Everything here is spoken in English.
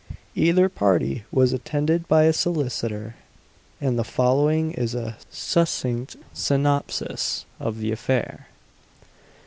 Either party was attended by a solicitor, and the following is a "succinct synopsis" of the affair.